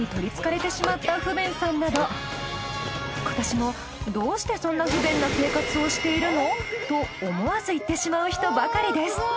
更に今年もどうしてそんな不便な生活をしているの？と思わず言ってしまう人ばかりです。